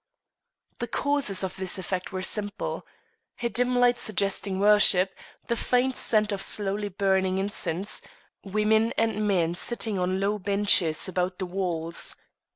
The causes of this effect were simple, A dim light suggesting worship; the faint scent of slowly burning incense; women and men sitting on low benches about the walls.